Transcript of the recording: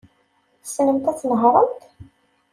Tessnemt ad tnehṛemt?